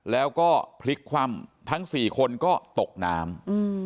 แล้วก็พลิกคว่ำทั้ง๔คนก็ตกน้ำ